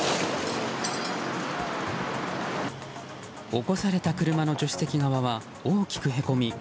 起こされた車の助手席側は大きくへこみ